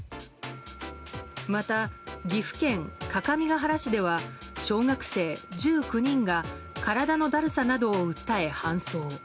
また、岐阜県各務原市では小学生１９人が体のだるさなどを訴え搬送。